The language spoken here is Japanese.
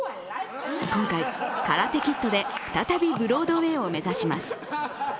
今回「カラテ・キッド」で再びブロードウェイを目指します。